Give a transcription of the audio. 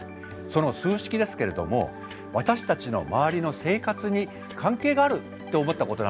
その数式ですけれども私たちの周りの生活に関係があるって思ったことのある人はいますか？